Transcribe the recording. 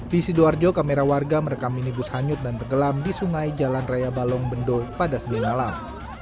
di sidoarjo kamera warga merekam minibus hanyut dan tenggelam di sungai jalan raya balong bendo pada senin malam